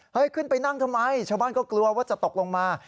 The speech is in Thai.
ขึ้นไปนั่งทำไมชาวบ้านก็กลัวว่าจะตกลงมา